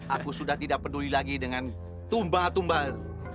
aku sudah tidak peduli lagi dengan tumbal tumbal